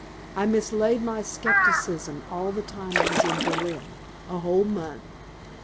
I mislaid my skepticism all the time I was in Berlin a whole month!"